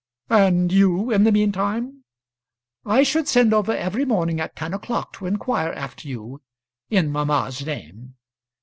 "And you in the mean time " "I should send over every morning at ten o'clock to inquire after you in mamma's name.